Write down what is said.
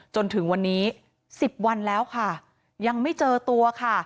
จนถึงวันนี้๑๐วันแล้วค่ะยังไม่เจอตัวค่ะ